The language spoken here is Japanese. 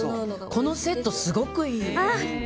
このセット、すごくいい。